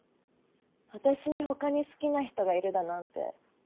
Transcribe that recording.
私に他に好きな人がいるだなんて